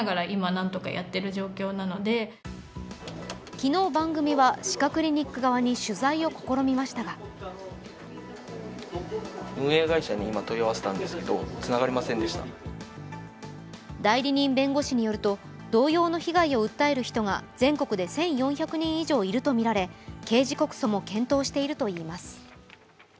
昨日番組は歯科クリニック側に取材を試みましたが代理人弁護士によると、同様の被害を訴える人が全国で１４００人以上いるとみられ刑事告訴も検討しているといいます。